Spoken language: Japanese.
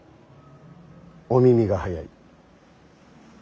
お耳が早い。